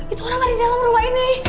itu orang ada di dalam rumah ini